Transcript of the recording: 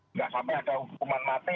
tidak sampai ada hukuman mati